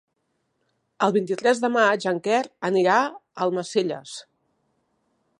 El vint-i-tres de maig en Quer anirà a Almacelles.